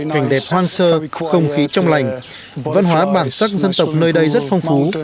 cảnh đẹp hoang sơ không khí trong lành văn hóa bản sắc dân tộc nơi đây rất phong phú